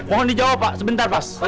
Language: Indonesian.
mohon dijawab pak sebentar pak